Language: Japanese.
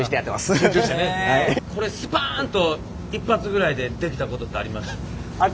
これスパンと一発ぐらいでできたことってあります？